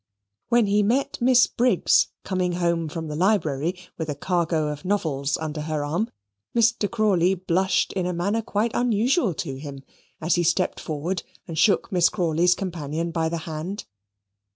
When he met Miss Briggs coming home from the library with a cargo of novels under her arm, Mr. Crawley blushed in a manner quite unusual to him, as he stepped forward and shook Miss Crawley's companion by the hand.